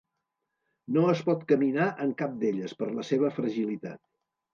No es pot caminar en cap d'elles per la seva fragilitat.